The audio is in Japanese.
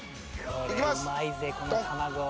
これうまいぜこの卵は。